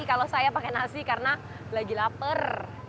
kalau saya pakai nasi karena lagi lapar